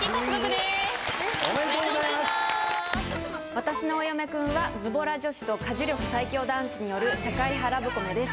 『わたしのお嫁くん』はズボラ女子と家事力最強男子による社会派ラブコメです。